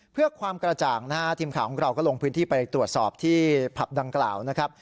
เพื่อความกระจ่างนะฮะทีมข่าวของเราก็ลงพื้นที่ไปตรวจสอบที่ผับดังกล่าวนะครับ